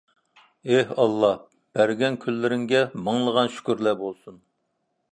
ئېھ ئاللاھ، بەرگەن كۈنلىرىڭگە مىڭلىغان شۈكۈرلەر بولسۇن!